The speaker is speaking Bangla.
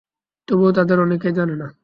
তবুও তাদের অনেকেই জানে না।